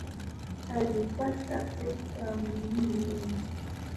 Alipata pesa nyingi juzi